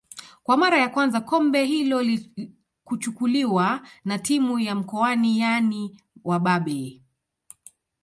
Kwa mara ya kwanza kombe hilo kuchukuliwa na timu ya mkoani yaani wababe